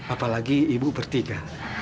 apalagi ibu bertiga